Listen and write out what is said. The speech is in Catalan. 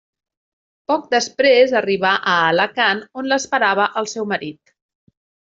Poc després arribà a Alacant, on l'esperava el seu marit.